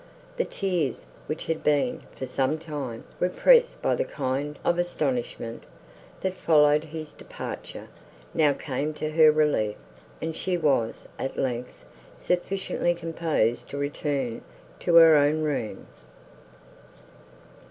The tears, which had been, for some time, repressed by the kind of astonishment, that followed his departure, now came to her relief, and she was, at length, sufficiently composed to return to her own room.